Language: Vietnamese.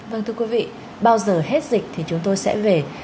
vâng thưa quý vị bao giờ hết dịch thì chúng tôi sẽ về